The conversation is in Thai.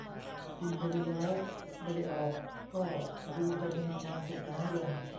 ที่ไม่ได้ย้าย ไม่ได้ออก ก็ดูจะมีความสุขน้อยลง